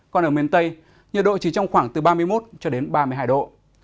còn ở miền tây nhiệt độ chỉ trong khoảng từ ba mươi một ba mươi hai độ